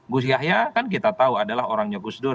gus yahya kan kita tahu adalah orangnya gus dur